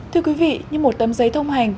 thưa quý vị như một tấm giấy thông hành